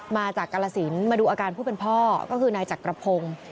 มาจากกรสินมาดูอาการผู้เป็นพ่อก็คือนายจักรพงศ์